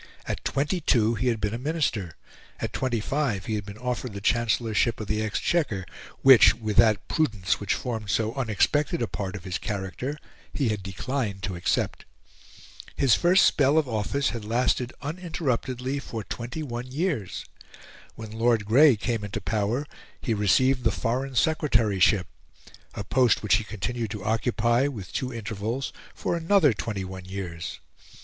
At twenty two he had been a Minister; at twenty five he had been offered the Chancellorship of the Exchequer, which, with that prudence which formed so unexpected a part of his character, he had declined to accept. His first spell of office had lasted uninterruptedly for twenty one years. When Lord Grey came into power he received the Foreign Secretaryship, a post which he continued to occupy, with two intervals, for another twenty one years.